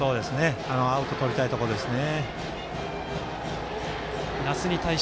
アウトをとりたいところですね。